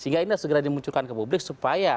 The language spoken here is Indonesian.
sehingga ini segera dimunculkan ke publik supaya